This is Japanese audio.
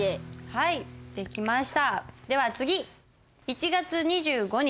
はいできました。